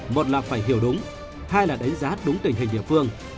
một là phải hiểu đúng hai là đánh giá đúng tình hình địa phương